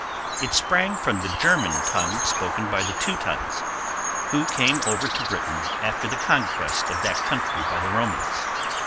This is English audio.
It sprang from the German tongue spoken by the Teutons, who came over to Britain after the conquest of that country by the Romans.